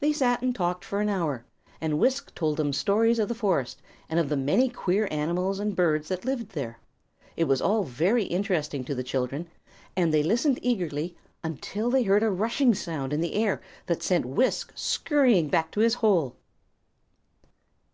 They sat and talked for an hour, and Wisk told them stories of the forest, and of the many queer animals and birds that lived there. It was all very interesting to the children, and they listened eagerly until they heard a rushing sound in the air that sent Wisk scurrying back into his hole.